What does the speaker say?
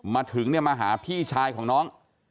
มาถึงเนี่ยมาหาพี่ชายของน้อง